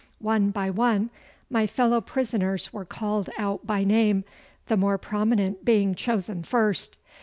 One by one my fellow prisoners were called out by name, the more prominent being chosen first.